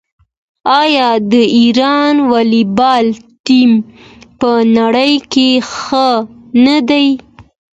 آیا د ایران والیبال ټیم په نړۍ کې ښه نه دی؟